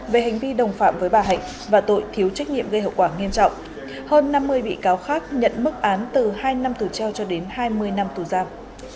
về hành vi đồng phạm với bà hạnh và tội thiếu trách nhiệm gây hậu quả nghiêm trọng hơn năm mươi bị cáo khác nhận mức án từ hai năm tù treo cho đến hai mươi năm tù giam